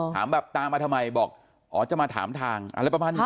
ถามแบบตามมาทำไมบอกอ๋อจะมาถามทางอะไรประมาณนี้